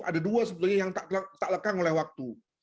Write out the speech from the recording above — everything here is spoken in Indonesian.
ada dua yang sebenarnya tak lekang oleh waktu